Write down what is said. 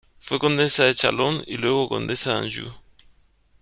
Fue condesa de Chalon y luego condesa de Anjou.